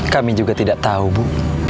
kami juga tidak tahu bu